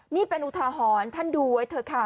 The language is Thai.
นี่เป็นอุทาหรณ์ท่านดูไว้เถอะค่ะ